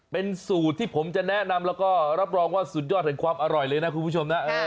เป็นสูตรที่ผมจะแนะนำแล้วก็รับรองว่าสุดยอดแห่งความอร่อยเลยนะคุณผู้ชมนะ